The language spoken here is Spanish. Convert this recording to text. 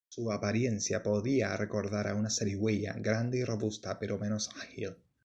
Su apariencia podía recordar a una zarigüeya grande y robusta, pero menos ágil.